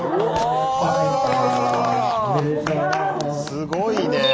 すごいねえ。